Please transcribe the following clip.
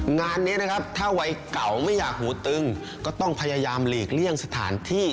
งานนี้นะครับถ้าวัยเก่าไม่อยากหูตึงก็ต้องพยายามหลีกเลี่ยงสถานที่